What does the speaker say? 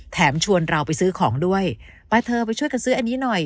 ชวนเราไปซื้อของด้วยไปเธอไปช่วยกันซื้ออันนี้หน่อย